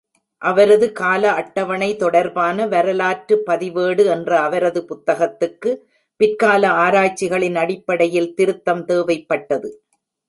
அவரது கால அட்டவணை தொடர்பான "வரலாற்று பதிவேடு" என்ற அவரது புத்தகத்துக்கு, பிற்கால ஆராய்ச்சிகளின் அடிப்படையில் திருத்தம் தேவைப்பட்டது.